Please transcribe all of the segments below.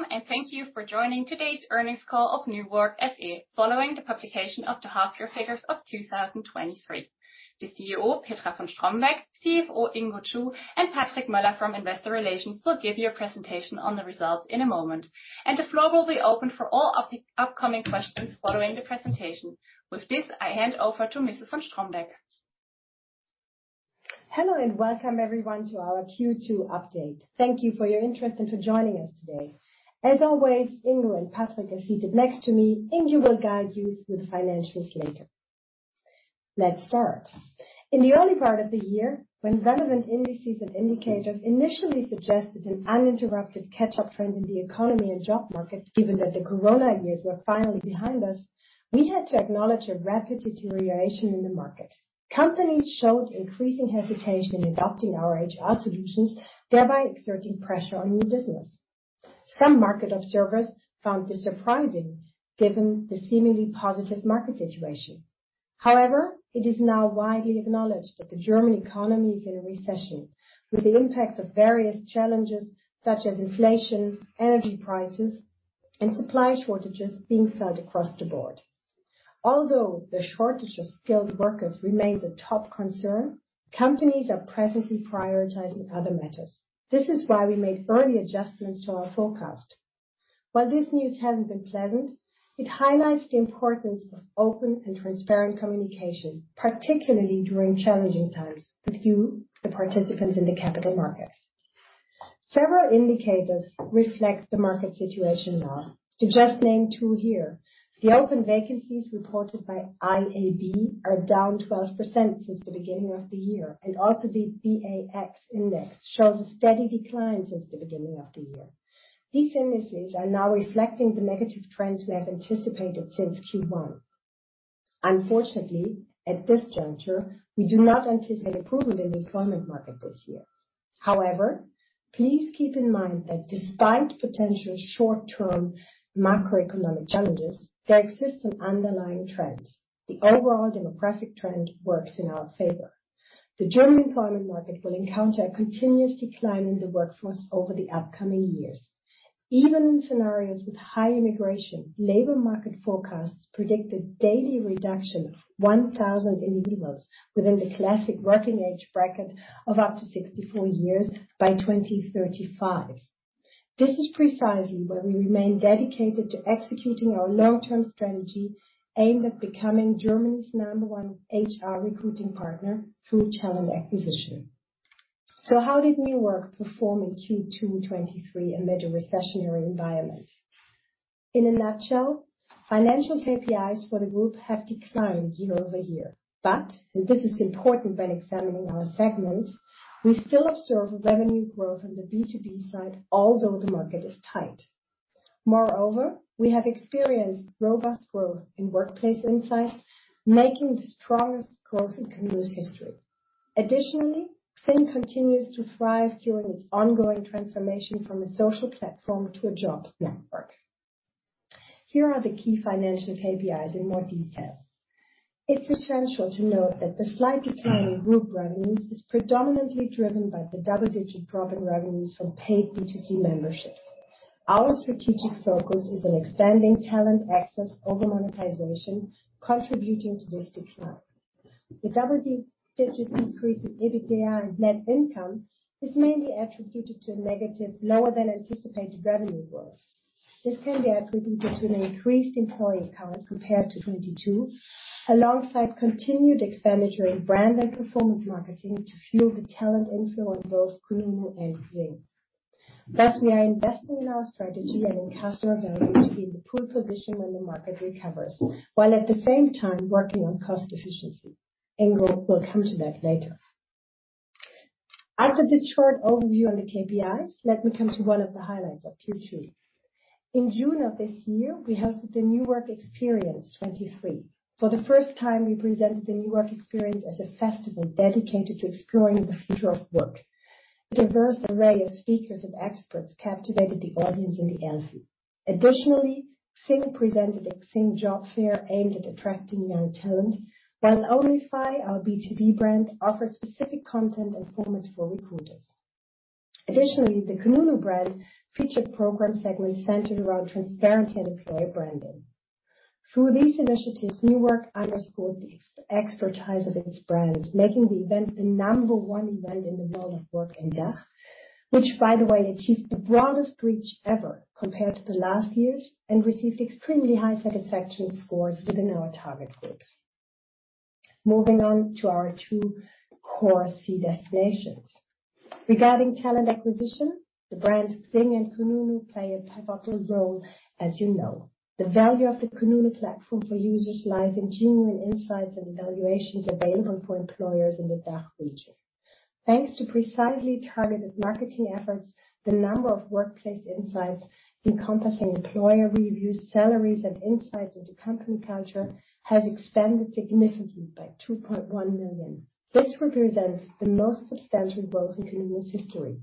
Welcome. Thank you for joining today's earnings call of New Work SE, following the publication of the half-year figures of 2023. The CEO, Petra von Strombeck, CFO, Ingo Chu, and Patrick Moeller from Investor Relations, will give you a presentation on the results in a moment, and the floor will be open for all of the upcoming questions following the presentation. This, I hand over to Mrs. Von Strombeck. Hello, and welcome everyone to our Q2 update. Thank you for your interest and for joining us today. As always, Ingo Chu and Patrick Moeller are seated next to me. Ingo Chu will guide you through the financials later. Let's start. In the early part of the year, when relevant indices and indicators initially suggested an uninterrupted catch-up trend in the economy and job market, given that the corona years were finally behind us, we had to acknowledge a rapid deterioration in the market. Companies showed increasing hesitation in adopting our HR solutions, thereby exerting pressure on new business. Some market observers found this surprising, given the seemingly positive market situation. However, it is now widely acknowledged that the German economy is in a recession, with the impact of various challenges such as inflation, energy prices, and supply shortages being felt across the board. Although the shortage of skilled workers remains a top concern, companies are presently prioritizing other matters. This is why we made early adjustments to our forecast. While this news hasn't been pleasant, it highlights the importance of open and transparent communication, particularly during challenging times, with you, the participants in the capital market. Several indicators reflect the market situation now. To just name two here, the open vacancies reported by IAB are down 12% since the beginning of the year, also the BA-X index shows a steady decline since the beginning of the year. These indices are now reflecting the negative trends we have anticipated since Q1. Unfortunately, at this juncture, we do not anticipate improvement in the employment market this year. Please keep in mind that despite potential short-term macroeconomic challenges, there exists an underlying trend. The overall demographic trend works in our favor. The German employment market will encounter a continuous decline in the workforce over the upcoming years. Even in scenarios with high immigration, labor market forecasts predict a daily reduction of 1,000 individuals within the classic working age bracket of up to 64 years by 2035. This is precisely why we remain dedicated to executing our long-term strategy aimed at becoming Germany's number one HR recruiting partner through talent acquisition. How did New Work perform in Q2 2023 amid a recessionary environment? In a nutshell, financial KPIs for the group have declined year-over-year, but, and this is important when examining our segments, we still observe revenue growth on the B2B side, although the market is tight. Moreover, we have experienced robust growth in workplace insights, making the strongest growth in kununu's history. Additionally, XING continues to thrive during its ongoing transformation from a social platform to a job network. Here are the key financial KPI in more detail. It's essential to note that the slight decline in group revenues is predominantly driven by the double-digit drop in revenues from paid B2C memberships. Our strategic focus is on expanding Talent access over monetization, contributing to this decline. The double-digit increase in EBITDA and net income is mainly attributed to a negative, lower than anticipated revenue growth. This can be attributed to an increased employee count compared to 2022, alongside continued expenditure in brand and performance marketing to fuel the talent inflow on both kununu and XING. Thus, we are investing in our strategy and in customer value to be in a good position when the market recovers, while at the same time working on cost efficiency. Ingo will come to that later. After this short overview on the KPIs, let me come to one of the highlights of Q2. In June of this year, we hosted the New Work Experience 2023. For the first time, we presented the New Work Experience as a festival dedicated to exploring the future of work. A diverse array of speakers and experts captivated the audience in the Elphi. Additionally, XING presented a XING Job Fair aimed at attracting young talent, while onlyfy, our B2B brand, offered specific content and formats for recruiters. Additionally, the kununu brand featured program segments centered around transparency and Employer branding. Through these initiatives, New Work underscored the expertise of its brands, making the event the number one event in the world of work in DACH, which, by the way, achieved the broadest reach ever compared to the last years, and received extremely high satisfaction scores within our target groups. Moving on to our two core C destinations. Regarding talent acquisition, the brands XING and kununu play a pivotal role as you know. The value of the kununu platform for users lies in genuine insights and evaluations available for employers in the DACH region. Thanks to precisely targeted marketing efforts, the number of workplace insights encompassing employer reviews, salaries, and insights into company culture, has expanded significantly by 2.1 million. This represents the most substantial growth in kununu's history.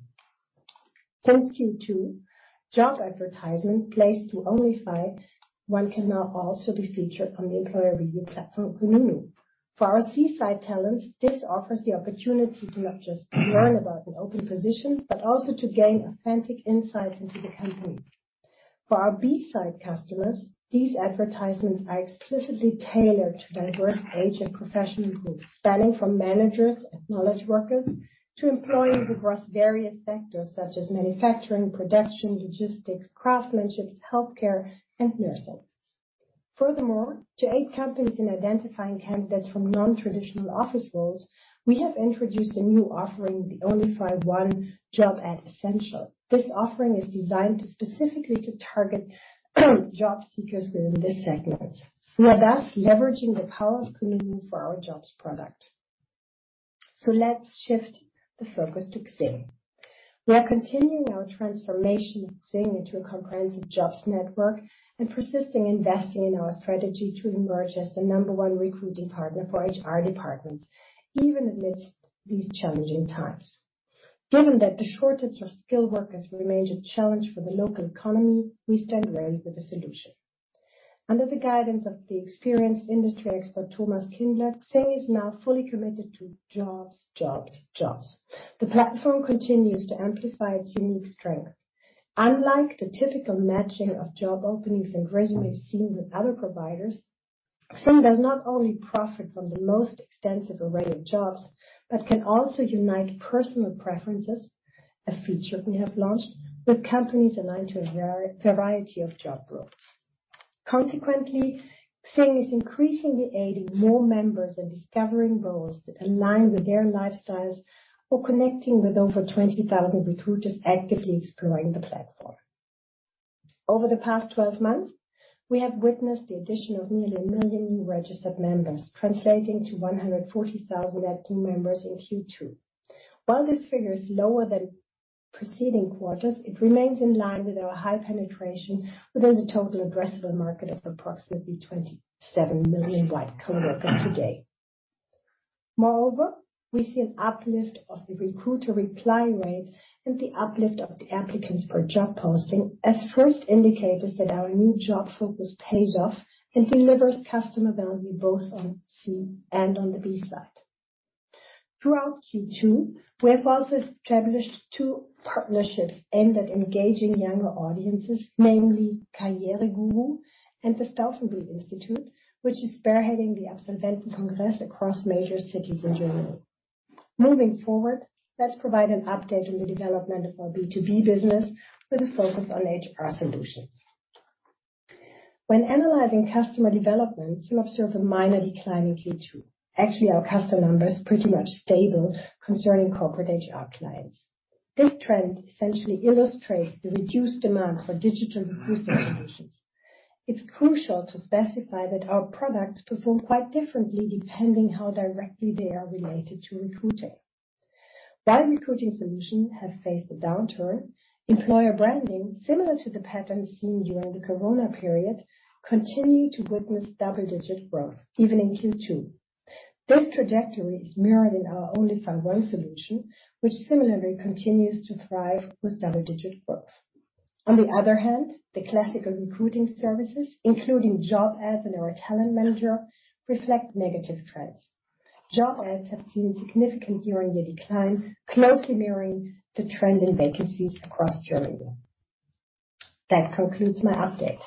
Since Q2, job advertisements placed to onlyfy one can now also be featured on the employer review platform, kununu. For our C-side talents, this offers the opportunity to not just learn about an open position, but also to gain authentic insights into the company. For our B-side customers, these advertisements are explicitly tailored to diverse age and professional groups, spanning from managers and knowledge workers, to employees across various sectors, such as manufacturing, production, logistics, craftsmanships, healthcare, and nursing. Furthermore, to aid companies in identifying candidates from non-traditional office roles, we have introduced a new offering, the onlyfy one job ad essential. This offering is designed specifically to target job seekers within this segment. We are thus leveraging the power of kununu for our jobs product. Let's shift the focus to XING. We are continuing our transformation of XING into a comprehensive jobs network and persisting investing in our strategy to emerge as the number one recruiting partner for HR departments, even amidst these challenging times. Given that the shortage of skilled workers remains a challenge for the local economy, we stand ready with a solution. Under the guidance of the experienced industry expert, Thomas Kindler, XING is now fully committed to jobs, jobs, jobs. The platform continues to amplify its unique strength. Unlike the typical matching of job openings and resumes seen with other providers, XING does not only profit from the most extensive array of jobs, but can also unite personal preferences, a feature we have launched, with companies aligned to a variety of job roles. Consequently, XING is increasingly aiding more members in discovering roles that align with their lifestyles or connecting with over 20,000 recruiters actively exploring the platform. Over the past 12 months, we have witnessed the addition of nearly 1 million new registered members, translating to 140,000 active members in Q2. While this figure is lower than preceding quarters, it remains in line with our high penetration within the total addressable market of approximately 27 million white-collar workers today. Moreover, we see an uplift of the recruiter reply rate and the uplift of the applicants per job posting as first indicators that our new job focus pays off and delivers customer value both on C-side and on the B-side. Throughout Q2, we have also established two partnerships aimed at engaging younger audiences, namely Karriereguru and the Staufenbiel Institut, which is spearheading the Absolventenkongress across major cities in Germany. Moving forward, let's provide an update on the development of our B2B business with a focus on HR solutions. When analyzing customer development, you observe a minor decline in Q2. Actually, our customer number is pretty much stable concerning corporate HR clients. This trend essentially illustrates the reduced demand for digital recruiting solutions. It's crucial to specify that our products perform quite differently depending how directly they are related to recruiting. While recruiting solutions have faced a downturn, Employer branding, similar to the pattern seen during the corona period, continue to witness double-digit growth, even in Q2. This trajectory is mirrored in our onlyfy one solution, which similarly continues to thrive with double-digit growth. On the other hand, the classical recruiting services, including job ads and our Talent Manager, reflect negative trends. Job ads have seen a significant year-on-year decline, closely mirroring the trend in vacancies across Germany. That concludes my update.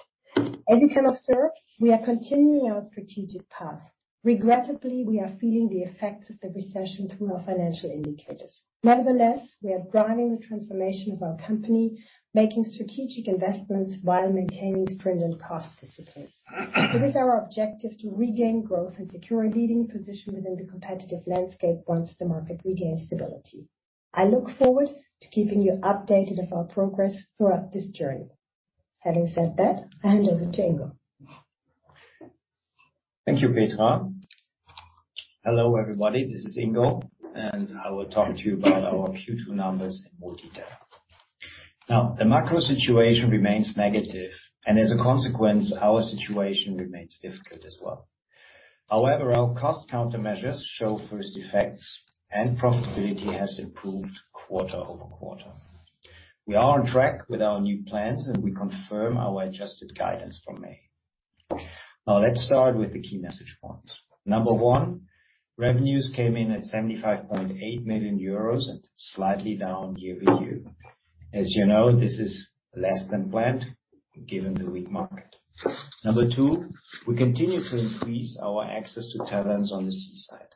As you can observe, we are continuing our strategic path. Regrettably, we are feeling the effects of the recession through our financial indicators. Nevertheless, we are driving the transformation of our company, making strategic investments while maintaining stringent cost discipline. It is our objective to regain growth and secure a leading position within the competitive landscape once the market regains stability. I look forward to keeping you updated of our progress throughout this journey. Having said that, I hand over to Ingo. Thank you, Petra. Hello, everybody, this is Ingo. I will talk to you about our Q2 numbers in more detail. The macro situation remains negative, and as a consequence, our situation remains difficult as well. However, our cost countermeasures show first effects, and profitability has improved quarter-over-quarter. We are on track with our new plans, and we confirm our adjusted guidance from May. Let's start with the key message points. Number one, revenues came in at 75.8 million euros and slightly down year-over-year. As you know, this is less than planned, given the weak market. Number two, we continue to increase our access to talents on the C-side.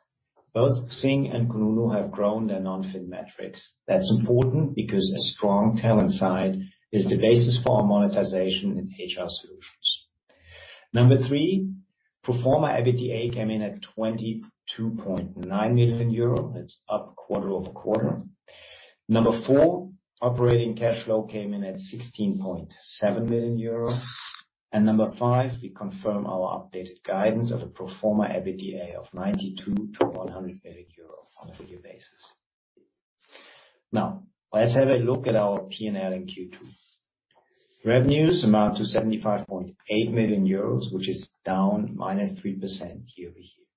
Both XING and kununu have grown their non-fin metrics. That's important because a strong talent side is the basis for our monetization in HR solutions. Number three, Pro forma EBITDA came in at 22.9 million euro. That's up quarter-over-quarter. Number four, operating cash flow came in at 16.7 million euros. Number five, we confirm our updated guidance of a Pro forma EBITDA of 92 million-100 million euros on a full-year basis. Let's have a look at our P&L in Q2. Revenues amount to 75.8 million euros, which is down -3% year-over-year.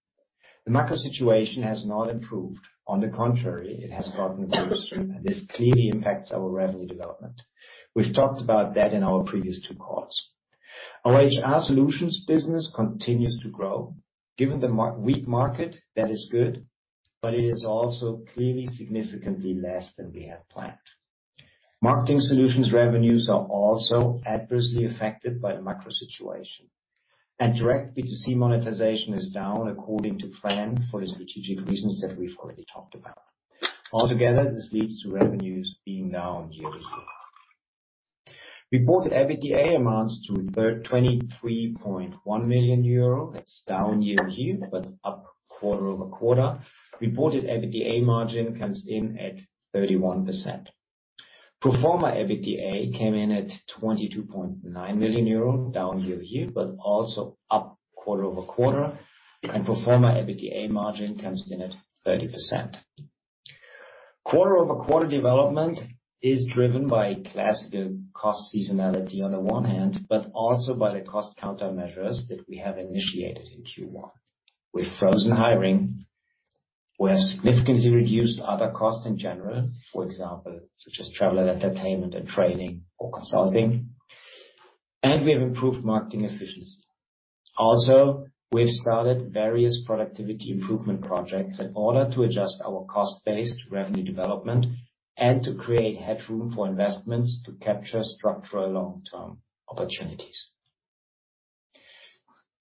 The macro situation has not improved. On the contrary, it has gotten worse, and this clearly impacts our revenue development. We've talked about that in our previous two calls. Our HR solutions business continues to grow. Given the weak market, that is good, but it is also clearly significantly less than we had planned. Marketing solutions revenues are also adversely affected by the macro situation, and direct B2C monetization is down according to plan for the strategic reasons that we've already talked about. Altogether, this leads to revenues being down year-over-year. Reported EBITDA amounts to 23.1 million euro. That's down year-over-year, but up quarter-over-quarter. Reported EBITDA margin comes in at 31%. Pro forma EBITDA came in at 22.9 million euro, down year-over-year, but also up quarter-over-quarter, and pro forma EBITDA margin comes in at 30%. Quarter-over-quarter development is driven by classical cost seasonality on the one hand, but also by the cost countermeasures that we have initiated in Q1. We've frozen hiring, we have significantly reduced other costs in general, for example, such as travel and entertainment and training or consulting, and we have improved marketing efficiency. We've started various productivity improvement projects in order to adjust our cost base to revenue development and to create headroom for investments to capture structural long-term opportunities.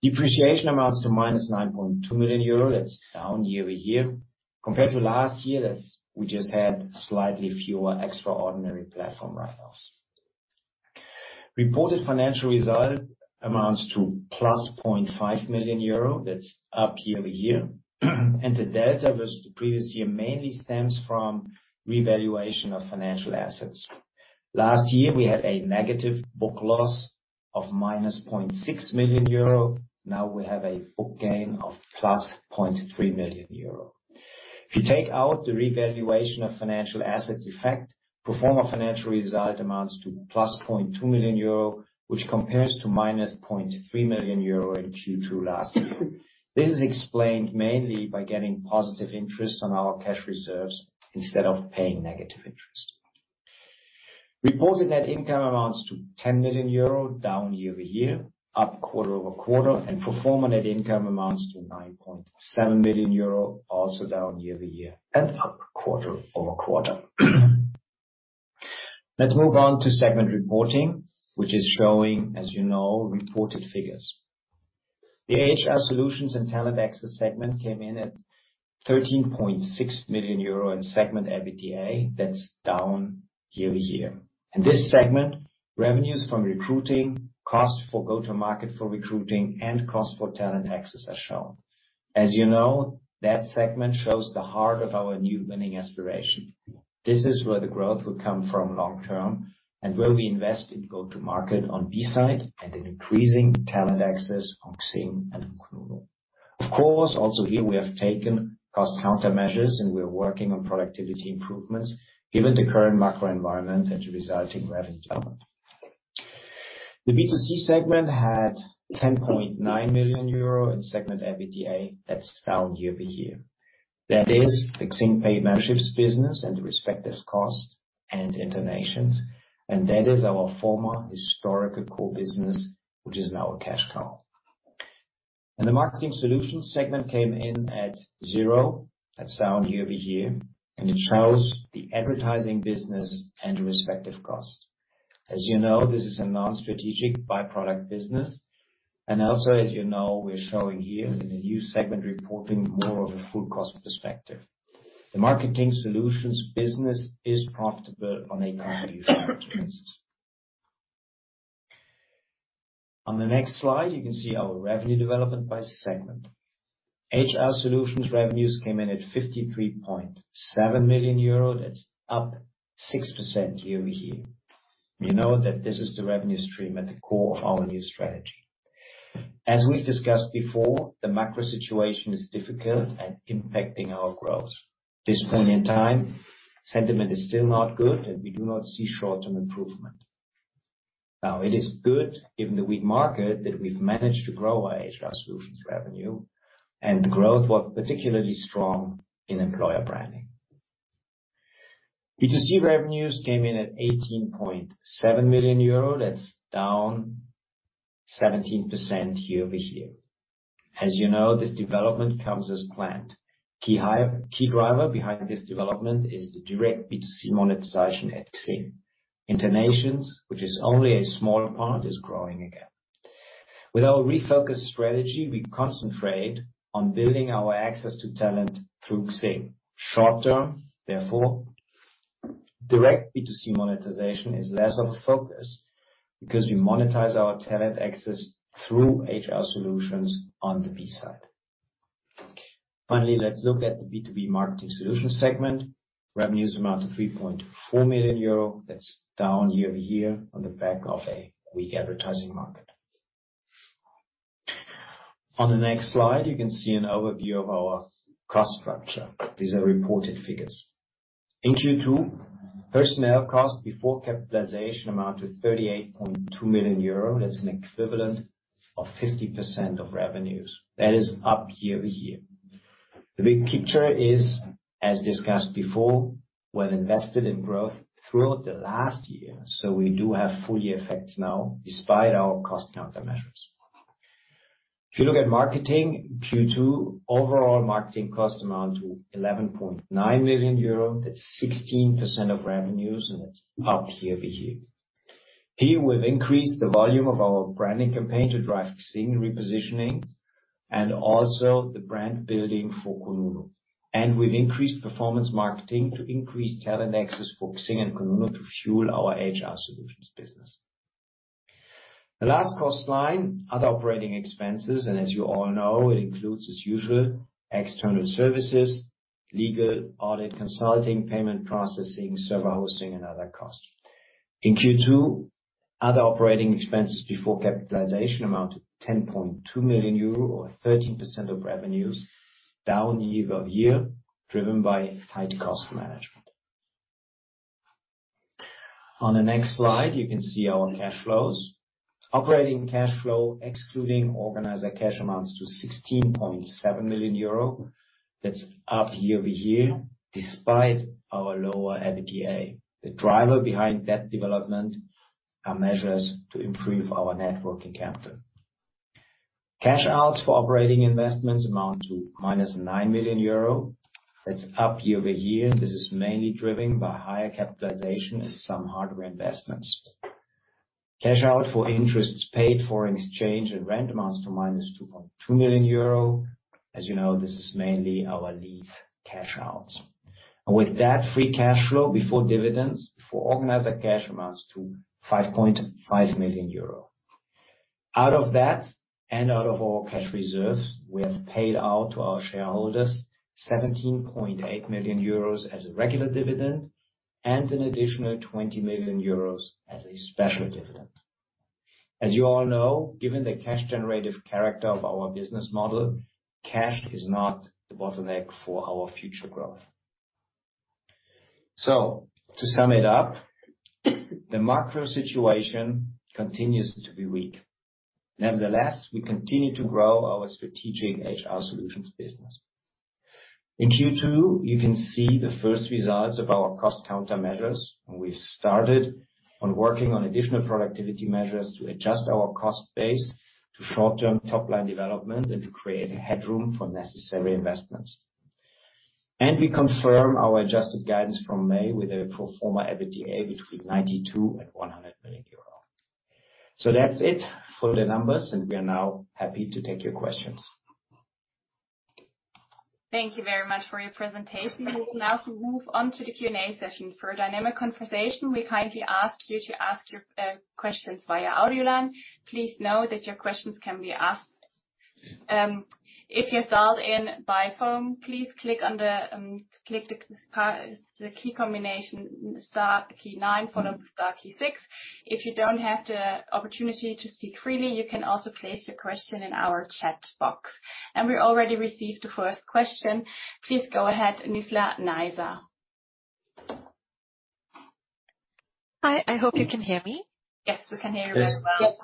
Depreciation amounts to -9.2 million euro. That's down year-over-year. Compared to last year, we just had slightly fewer extraordinary platform write-offs. Reported financial result amounts to +0.5 million euro. That's up year-over-year, and the delta versus the previous year mainly stems from revaluation of financial assets. Last year, we had a negative book loss of -0.6 million euro. Now, we have a book gain of +0.3 million euro. If you take out the revaluation of financial assets effect, pro forma financial result amounts to +0.2 million euro, which compares to -0.3 million euro in Q2 last year. This is explained mainly by getting positive interest on our cash reserves instead of paying negative interest. Reported net income amounts to 10 million euro, down year-over-year, up quarter-over-quarter, and pro forma net income amounts to 9.7 million euro, also down year-over-year and up quarter-over-quarter. Let's move on to segment reporting, which is showing, as you know, reported figures. The HR solutions and talent access segment came in at 13.6 million euro in segment EBITDA. That's down year-over-year. In this segment, revenues from recruiting, cost for go-to-market for recruiting, and cost for talent access are shown. As you know, that segment shows the heart of our new winning aspiration. This is where the growth will come from long term and where we invest in go-to-market on B-side and in increasing talent access on XING and kununu. Of course, also here we have taken cost countermeasures, and we're working on productivity improvements given the current macro environment and the resulting revenue development. The B2C segment had 10.9 million euro in segment EBITDA. That's down year-over-year. That is the XING paid memberships business and the respective costs and InterNations. That is our former historical core business, which is now a cash cow. The marketing solutions segment came in at zero. That's down year-over-year, and it shows the advertising business and the respective costs. As you know, this is a non-strategic by-product business, and also, as you know, we're showing here in the new segment reporting more of a full cost perspective. The marketing solutions business is profitable on a contribution basis. On the next slide, you can see our revenue development by segment. HR solutions revenues came in at 53.7 million euro. That's up 6% year-over-year. We know that this is the revenue stream at the core of our new strategy. As we've discussed before, the macro situation is difficult at impacting our growth. This point in time, sentiment is still not good, and we do not see short-term improvement. It is good, given the weak market, that we've managed to grow our HR solutions revenue, and growth was particularly strong in employer branding. B2C revenues came in at 18.7 million euro. That's down 17% year-over-year. As you know, this development comes as planned. Key driver behind this development is the direct B2C monetization at XING. InterNations, which is only a smaller part, is growing again. With our refocused strategy, we concentrate on building our access to talent through XING. Short term, therefore, direct B2C monetization is less of a focus, because we monetize our talent access through HR solutions on the B-side. Finally, let's look at the B2B marketing solutions segment. Revenues amount to 3.4 million euro. That's down year-over-year on the back of a weak advertising market. On the next slide, you can see an overview of our cost structure. These are reported figures. In Q2, personnel costs before capitalization amount to 38.2 million euro. That's an equivalent of 50% of revenues. That is up year-over-year. The big picture is, as discussed before, when invested in growth throughout the last year, so we do have full year effects now, despite our cost counter measures. If you look at marketing, Q2, overall marketing cost amount to 11.9 million euro. That's 16% of revenues, and it's up year-over-year. Here, we've increased the volume of our branding campaign to drive XING repositioning and also the brand building for kununu. We've increased performance marketing to increase talent access for XING and kununu to fuel our HR solutions business. The last cost line, other operating expenses, and as you all know, it includes, as usual, external services, legal, audit, consulting, payment processing, server hosting, and other costs. In Q2, other operating expenses before capitalization amount to 10.2 million euro, or 13% of revenues, down year-over-year, driven by tight cost management. On the next slide, you can see our cash flows. Operating cash flow, excluding organizer cash, amounts to 16.7 million euro. That's up year-over-year, despite our lower EBITDA. The driver behind that development are measures to improve our networking capital. Cash outs for operating investments amount to minus 9 million euro. That's up year-over-year. This is mainly driven by higher capitalization and some hardware investments. Cash out for interests paid for XING and rent amounts to minus 2.2 million euro. As you know, this is mainly our lease cash outs. With that free cash flow before dividends, before organizer cash amounts to 5.5 million euro. Out of that, and out of our cash reserves, we have paid out to our shareholders 17.8 million euros as a regular dividend and an additional 20 million euros as a special dividend. As you all know, given the cash generative character of our business model, cash is not the bottleneck for our future growth. To sum it up, the macro situation continues to be weak. Nevertheless, we continue to grow our strategic HR solutions business. In Q2, you can see the first results of our cost counter measures. We've started on working on additional productivity measures to adjust our cost base to short-term top line development and to create a headroom for necessary investments. We confirm our adjusted guidance from May with a Pro forma EBITDA between 92 million and 100 million euro. That's it for the numbers, and we are now happy to take your questions. Thank you very much for your presentation. We will now move on to the Q&A session. For a dynamic conversation, we kindly ask you to ask your questions via audioline. Please know that your questions can be asked, if you're dialed in by phone, please click on the click the key combination, star key nine, followed by star key six. If you don't have the opportunity to speak freely, you can also place your question in our chat box. We already received the first question. Please go ahead, [Isla Neiser]. Hi, I hope you can hear me. Yes, we can hear you very well.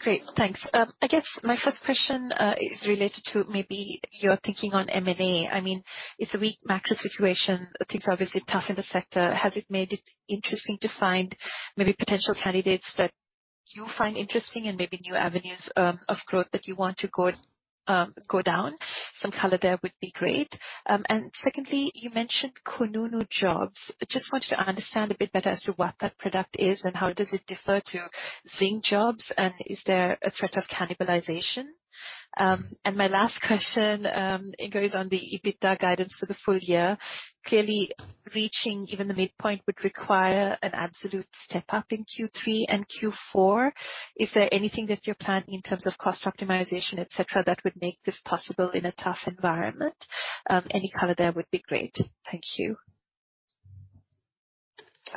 Yes. Great, thanks. I guess my first question is related to maybe your thinking on M&A. I mean, it's a weak macro situation. Things are obviously tough in the sector. Has it made it interesting to find maybe potential candidates that you find interesting and maybe new avenues of growth that you want to go go down? Some color there would be great. Secondly, you mentioned kununu Jobs. I just wanted to understand a bit better as to what that product is, and how does it differ to XING Jobs, and is there a threat of cannibalization? My last question, it goes on the EBITDA guidance for the full year. Clearly, reaching even the midpoint would require an absolute step up in Q3 and Q4. Is there anything that you're planning in terms of cost optimization, et cetera, that would make this possible in a tough environment? Any color there would be great. Thank you.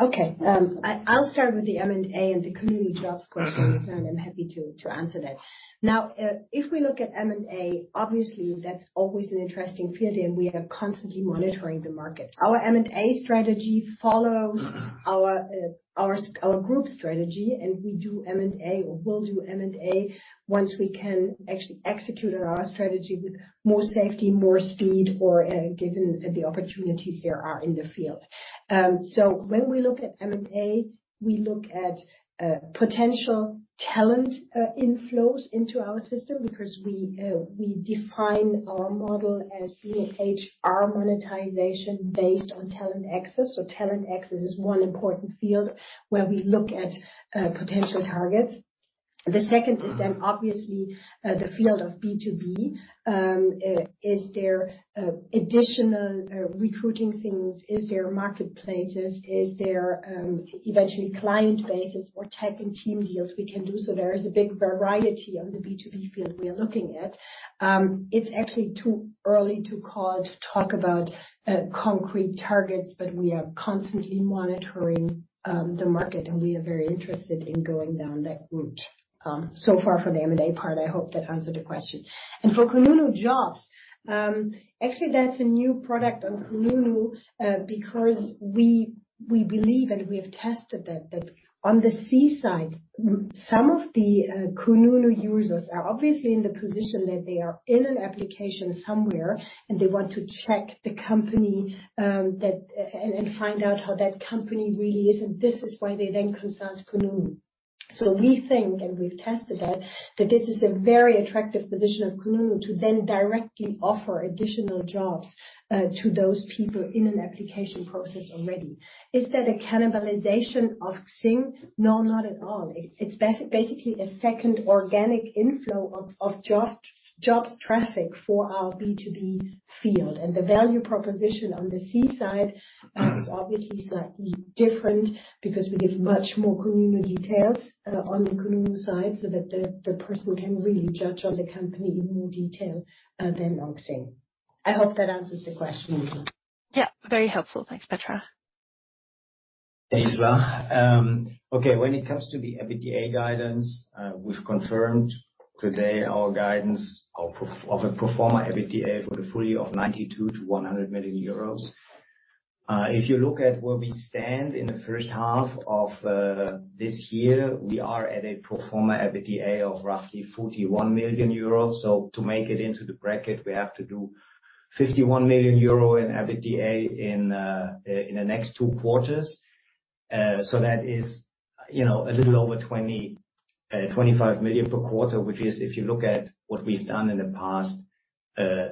Okay, I, I'll start with the M&A and the kununu Jobs question, and I'm happy to answer that. Now, if we look at M&A, obviously, that's always an interesting field, and we are constantly monitoring the market. Our M&A strategy follows our group strategy, and we do M&A or will do M&A once we can actually execute on our strategy with more safety, more speed, or given the opportunities there are in the field. When we look at M&A, we look at potential talent inflows into our system because we define our model as being HR monetization based on talent access. Talent access is one important field where we look at potential targets. The second is obviously the field of B2B. Is there additional recruiting things? Is there marketplaces? Is there eventually client bases or type in team deals we can do? There is a big variety on the B2B field we are looking at. It's actually too early to call, to talk about concrete targets. We are constantly monitoring the market, and we are very interested in going down that route. So far for the M&A part, I hope that answered the question. For kununu Jobs, actually, that's a new product on kununu, because we, we believe, and we have tested that, that on the C side, some of the kununu users are obviously in the position that they are in an application somewhere, and they want to check the company, that and find out how that company really is, and this is why they then consult kununu.... We think, and we've tested that, that this is a very attractive position of kununu to then directly offer additional jobs to those people in an application process already. Is that a cannibalization of XING? No, not at all. It's basically a second organic inflow of, of jobs, jobs traffic for our B2B field. The value proposition on the C-side is obviously slightly different, because we give much more kununu details on the kununu side, so that the person can really judge on the company in more detail than on XING. I hope that answers the question, [Isla]. Yeah, very helpful. Thanks, Petra. Thanks, [Isla]. Okay, when it comes to the EBITDA guidance, we've confirmed today our guidance, our pro- of a pro forma EBITDA for the fully of 92 million-100 million euros. If you look at where we stand in the first half of this year, we are at a pro forma EBITDA of roughly 41 million euros. To make it into the bracket, we have to do 51 million euro in EBITDA in the next two quarters. That is, you know, a little over 20 million, 25 million per quarter, which is, if you look at what we've done in the past,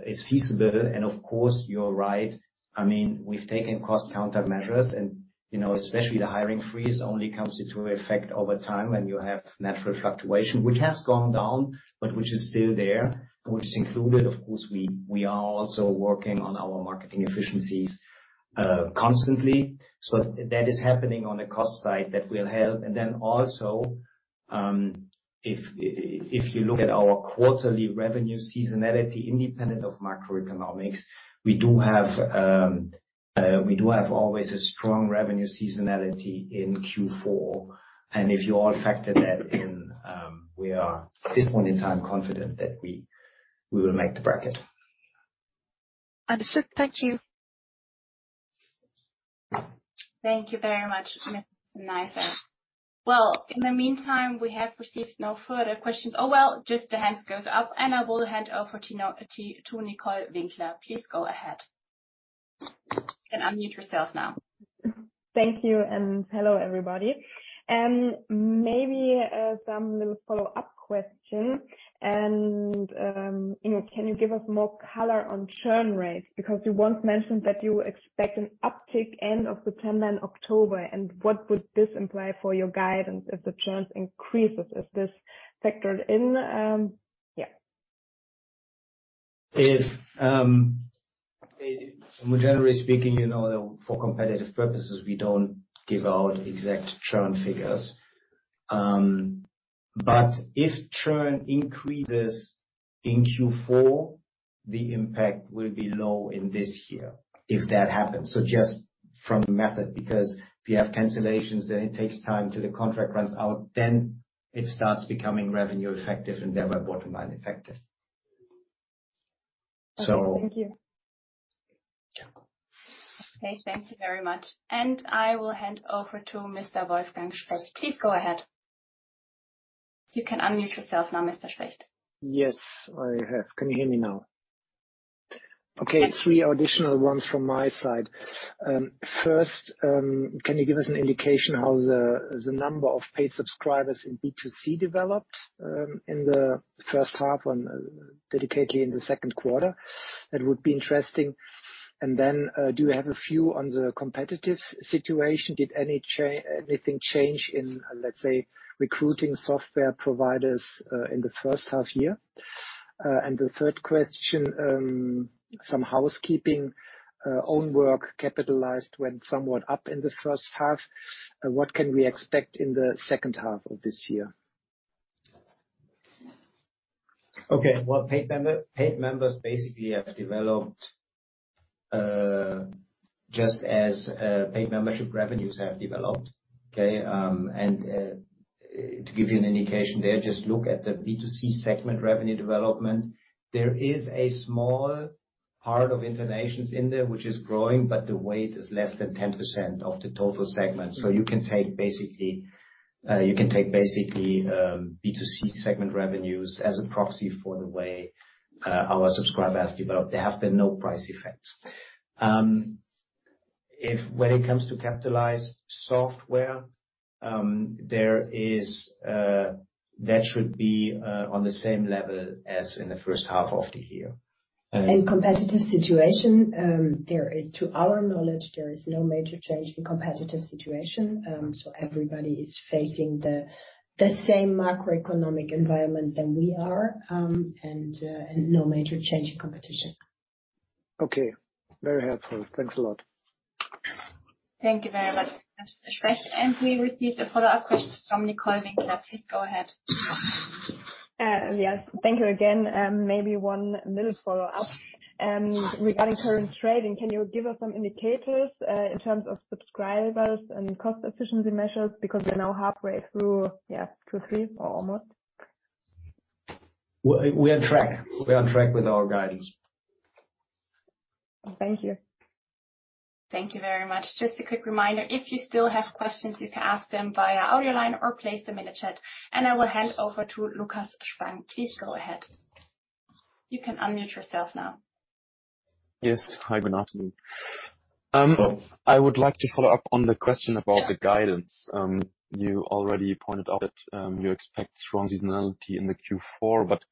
is feasible. Of course, you're right. I mean, we've taken cost countermeasures, and, you know, especially the hiring freeze only comes into effect over time when you have natural fluctuation, which has gone down, but which is still there, which is included. Of course, we are also working on our marketing efficiencies, constantly. That is happening on the cost side, that will help. Then also, if, if you look at our quarterly revenue seasonality, independent of macroeconomics, we do have always a strong revenue seasonality in Q4. If you all factor that in, we are, at this point in time, confident that we, we will make the bracket. Understood. Thank you. Thank you very much, Ms. [Neiser]. Well, in the meantime, we have received no further questions. Oh, well, just the hands goes up, and I will hand over to Nicole Winkler. Please go ahead. You can unmute yourself now. Thank you, and hello, everybody. Maybe some little follow-up questions. You know, can you give us more color on churn rates? Because you once mentioned that you expect an uptick end of September and October, and what would this imply for your guidance if the churns increases? Is this factored in, yeah? If, generally speaking, you know, for competitive purposes, we don't give out exact churn figures. If churn increases in Q4, the impact will be low in this year, if that happens. Just from method, because if you have cancellations, then it takes time till the contract runs out, then it starts becoming revenue effective and thereby bottom line effective. Okay. Thank you. Yeah. Okay, thank you very much. I will hand over to Mr. Wolfgang Specht. Please go ahead. You can unmute yourself now, Mr. Specht. Yes, I have. Can you hear me now? Yes. Okay, three additional ones from my side. First, can you give us an indication how the, the number of paid subscribers in B2C developed in the first half, on, delicately in the second quarter? That would be interesting. Then, do you have a view on the competitive situation? Did anything change in, let's say, recruiting software providers in the first half-year? The third question, some housekeeping, own work capitalized went somewhat up in the first half. What can we expect in the second half of this year? Okay. Well, paid member, paid members basically have developed, just as paid membership revenues have developed, okay? To give you an indication there, just look at the B2C segment revenue development. There is a small part of InterNations in there, which is growing, but the weight is less than 10% of the total segment. You can take basically, you can take basically, B2C segment revenues as a proxy for the way our subscriber has developed. There have been no price effects. When it comes to capitalized software, that should be on the same level as in the first half of the year. Competitive situation, there is, to our knowledge, there is no major change in competitive situation. Everybody is facing the same macroeconomic environment than we are, and no major change in competition. Okay. Very helpful. Thanks a lot. Thank you very much, Mr. Specht. We received a follow-up question from Nicole Winkler. Please go ahead. Yes. Thank you again. Maybe one little follow-up. Regarding current trading, can you give us some indicators in terms of subscribers and cost efficiency measures? Because we're now halfway through, yeah, Q3 or almost. We're on track. We're on track with our guidance. Thank you. Thank you very much. Just a quick reminder, if you still have questions, you can ask them via audio line or place them in the chat. I will hand over to Lukas Spang. Please go ahead. You can unmute yourself now. Yes. Hi, good afternoon. I would like to follow up on the question about the guidance. You already pointed out that you expect strong seasonality in the Q4, but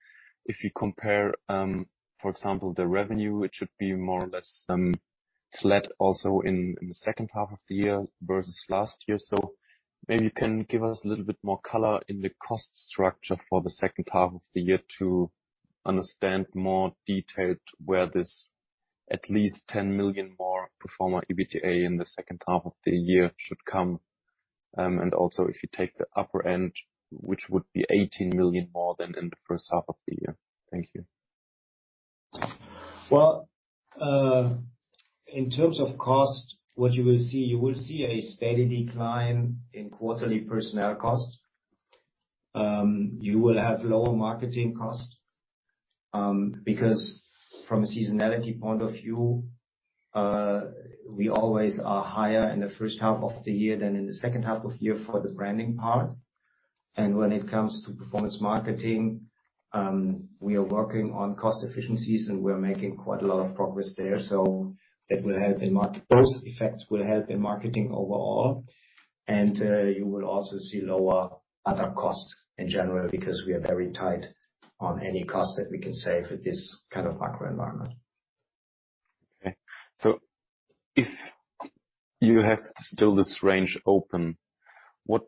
if you compare, for example, the revenue, it should be more or less flat also in the second half of the year versus last year. Maybe you can give us a little bit more color in the cost structure for the second half of the year to understand more detailed where this at least 10 million more Pro forma EBITDA in the second half of the year should come. And also, if you take the upper end, which would be 18 million more than in the first half of the year. Thank you. Well, in terms of cost, what you will see, you will see a steady decline in quarterly personnel costs. You will have lower marketing costs, because from a seasonality point of view, we always are higher in the first half of the year than in the second half of the year for the branding part. When it comes to performance marketing, we are working on cost efficiencies, and we are making quite a lot of progress there, so that will help in mark-- Those effects will help in marketing overall. You will also see lower other costs in general, because we are very tight on any cost that we can save with this kind of macro environment. Okay. If you have still this range open, what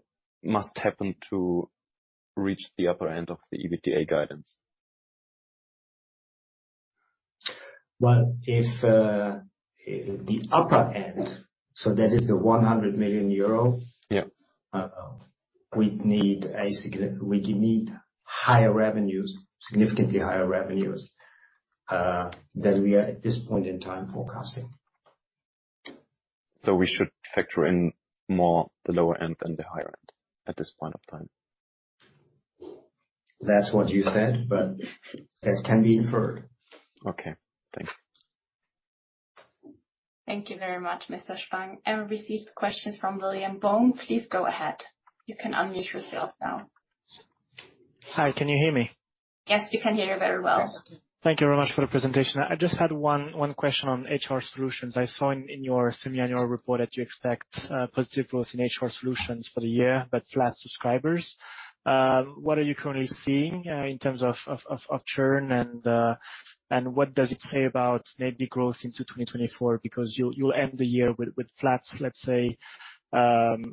must happen to reach the upper end of the EBITDA guidance? Well, if, the upper end, so that is the 100 million euro. Yeah. we'd need we need higher revenues, significantly higher revenues, than we are at this point in time forecasting. We should factor in more the lower end than the higher end at this point of time? That's what you said, but that can be inferred. Okay. Thanks. Thank you very much, Mr. Spang. I received questions from William Bone. Please go ahead. You can unmute yourself now. Hi, can you hear me? Yes, we can hear you very well. Thank you very much for the presentation. I just had one, one question on HR solutions. I saw in your semi-annual report that you expect positive growth in HR solutions for the year, but flat subscribers. What are you currently seeing in terms of churn? What does it say about maybe growth into 2024? Because you'll, you'll end the year with, with flats, let's say,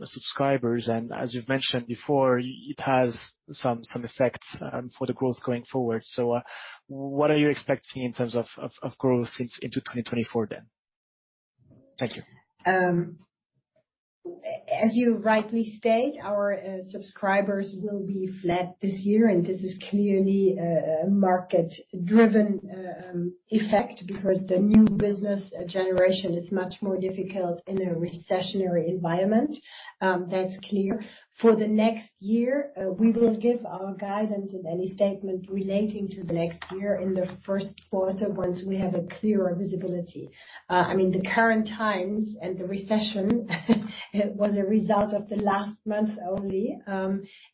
subscribers, and as you've mentioned before, it has some, some effects for the growth going forward. What are you expecting in terms of growth into 2024 then? Thank you. As you rightly state, our subscribers will be flat this year. This is clearly a market-driven effect, because the new business generation is much more difficult in a recessionary environment. That's clear. For the next year, we will give our guidance and any statement relating to the next year in the first quarter, once we have a clearer visibility. I mean, the current times and the recession was a result of the last month only.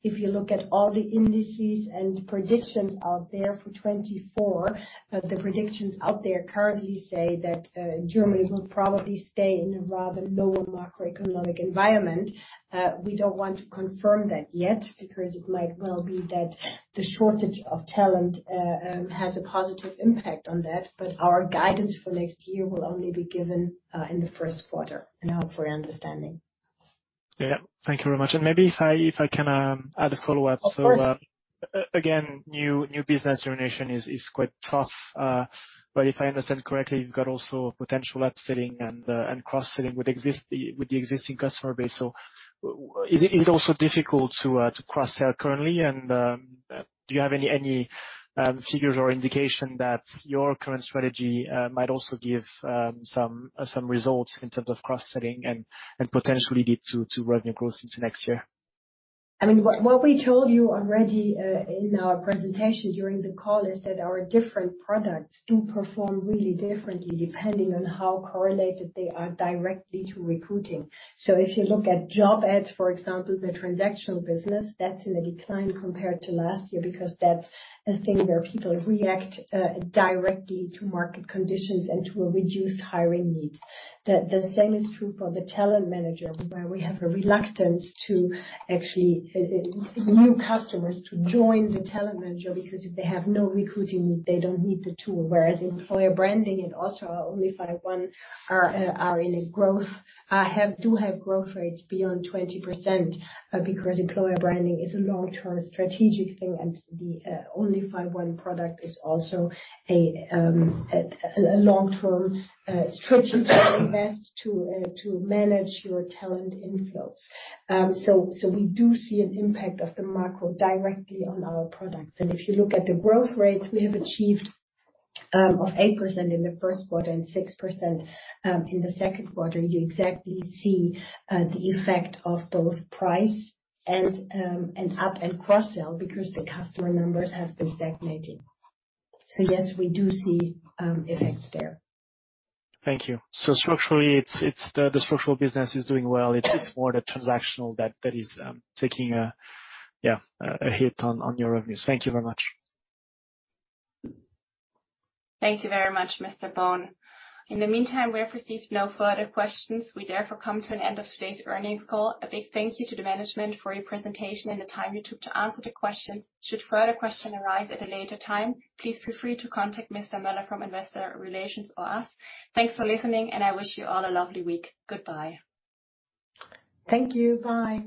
If you look at all the indices and predictions out there for 2024, the predictions out there currently say that Germany will probably stay in a rather lower macroeconomic environment. We don't want to confirm that yet, because it might well be that the shortage of talent has a positive impact on that. Our guidance for next year will only be given in the first quarter. I hope for your understanding. Yeah. Thank you very much. Maybe if I, if I can, add a follow-up. Of course. Again, new, new business generation is, is quite tough. If I understand correctly, you've got also potential upselling and cross-selling with the existing customer base. Is it also difficult to cross-sell currently? Do you have any, any figures or indication that your current strategy might also give some, some results in terms of cross-selling and, and potentially lead to, to revenue growth into next year? I mean, what, what we told you already, in our presentation during the call is that our different products do perform really differently, depending on how correlated they are directly to recruiting. If you look at job ads, for example, the transactional business, that's in a decline compared to last year, because that's a thing where people react directly to market conditions and to a reduced hiring need. The, the same is true for the Talent Manager, where we have a reluctance to actually new customers to join the Talent Manager, because if they have no recruiting need, they don't need the tool. Whereas employer branding and also onlyfy one are, are in a growth-- have, do have growth rates beyond 20%, because employer branding is a long-term strategic thing, and the onlyfy one product is also a, a, a long-term, strategic invest to manage your talent inflows. So we do see an impact of the macro directly on our products. If you look at the growth rates we have achieved, of 8% in the first quarter and 6%, in the second quarter, you exactly see the effect of both price and, and up- and cross-sell, because the customer numbers have been stagnating. Yes, we do see effects there. Thank you. Structurally, it's, it's the, the structural business is doing well. It's more the transactional that, that is, taking a, yeah, a hit on, on your revenues. Thank you very much. Thank you very much, Mr. Bone. In the meantime, we have received no further questions. We therefore come to an end of today's earnings call. A big thank you to the management for your presentation and the time you took to answer the questions. Should further questions arise at a later time, please feel free to contact Mr. Moeller from Investor Relations or us. Thanks for listening, and I wish you all a lovely week. Goodbye. Thank you. Bye.